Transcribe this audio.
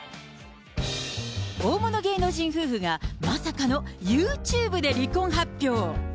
大物芸能人夫婦が、まさかのユーチューブで離婚発表。